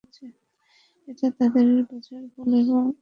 এটা তাদের বোঝার ভুল এবং এটা অনুবাদ বিভ্রাটের কারণে হয়েছে।